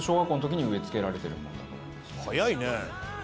早いね。